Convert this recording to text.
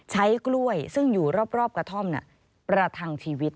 ใช้กล้วยซึ่งอยู่รอบกระท่อมประทังชีวิต